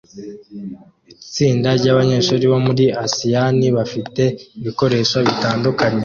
Itsinda ryabanyeshuri bo muri asiyani bafite ibikoresho bitandukanye